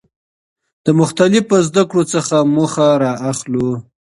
د مختلفو زده کړو څخه موخه را اخلو.